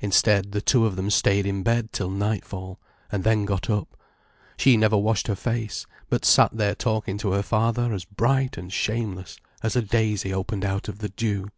Instead, the two of them stayed in bed till nightfall, and then got up, she never washed her face, but sat there talking to her father as bright and shameless as a daisy opened out of the dew.